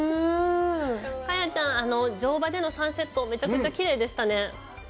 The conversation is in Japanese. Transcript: カヤちゃん、乗馬でのサンセット、めちゃくちゃきれいでしたね。